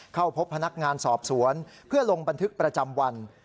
เข้าพบพนักงานสอบสวนเพื่อลงบันทึกประจำวัน